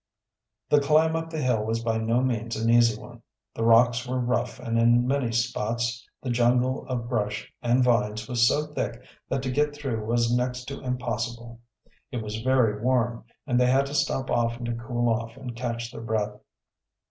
The climb up the hill was by no means an easy one. The rocks were rough and in many spots the jungle of brush and vines was so thick that to get through was next to impossible. It was very warm, and they had to stop often to cool off and catch their breath.